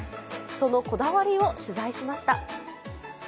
そのこだわりを取材しました。